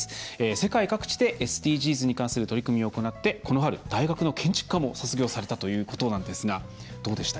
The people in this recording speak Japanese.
世界各地でＳＤＧｓに関する取り組みを行ってこの春、大学の建築科も卒業されたということなんですがどうでした？